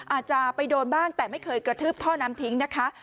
อาจจะไปโดนบ้างแต่ไม่เคยกระทืบท่อน้ำทิ้งนะคะ